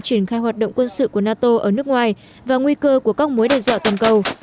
triển khai hoạt động quân sự của nato ở nước ngoài và nguy cơ của các mối đe dọa toàn cầu